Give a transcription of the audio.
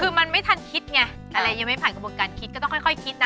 คือมันไม่ทันคิดไงอะไรยังไม่ผ่านกระบวนการคิดก็ต้องค่อยคิดนะ